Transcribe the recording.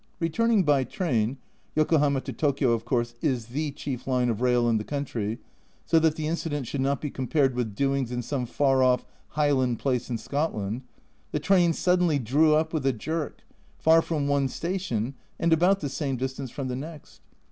Returning by train (Yokohama to Tokio, of course, is the chief line of rail in the country, so that the incident should not be compared with doings in some far off highland place in Scotland), the train suddenly drew up with a jerk, far from one station and about the same distance from the next.